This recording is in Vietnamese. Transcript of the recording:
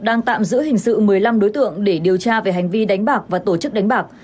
đang tạm giữ hình sự một mươi năm đối tượng để điều tra về hành vi đánh bạc và tổ chức đánh bạc